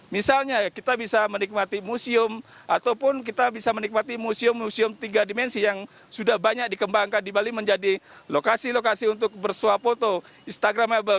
misalnya kita bisa menikmati museum ataupun kita bisa menikmati museum museum tiga dimensi yang sudah banyak dikembangkan di bali menjadi lokasi lokasi untuk bersuap foto instagramable